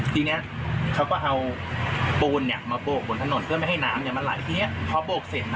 ทีนี้เขาก็เอาโบสถนเนี่ยมาบ่บนถนนเพื่อไม่ให้น้ำเนี่ยมันหลายทีเนี้ยพอบ่บนเสร็จมันเกิดการคัง